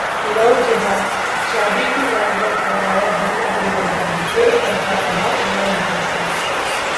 Love जिहाद: शादी के नाम पर करवाया धर्म परिवर्तन, फिर करता रहा यौन शोषण!